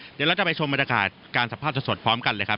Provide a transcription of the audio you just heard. เดี๋ยวเราจะไปชมบรรยากาศการสภาพสดพร้อมกันเลยครับ